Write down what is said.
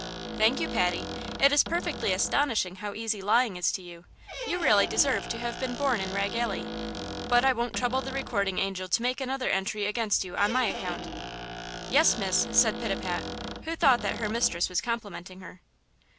"Thank you, Patty. It is perfectly astonishing how easy lying is to you! You really deserve to have been born in Rag Alley; but I won't trouble the recording angel to make another entry against you on my account." "Yes, miss," said Pitapat, who thought that her mistress was complimenting her.